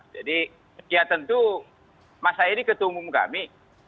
jadi ya tentu mas ahaye ini ketumum kami